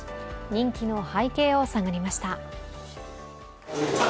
人気の背景を探りました。